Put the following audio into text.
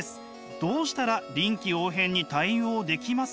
どうしたら臨機応変に対応できますか？」。